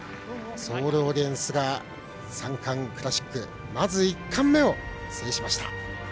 ソールオリエンスが三冠クラシックまず一冠目を制しました。